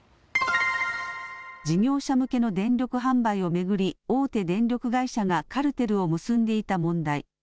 事業者向けの電力販売を巡り大手電力会社がカルテルを結んでいた問題。